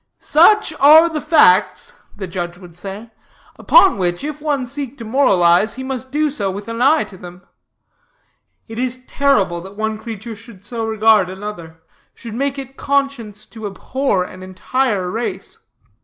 "'Such are the facts,' the judge would say, 'upon which, if one seek to moralize, he must do so with an eye to them. It is terrible that one creature should so regard another, should make it conscience to abhor an entire race.